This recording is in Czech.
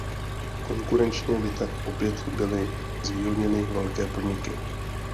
Konkurenčně by tak opět byly zvýhodněny velké podniky.